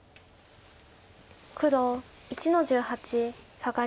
黒１の十八サガリ。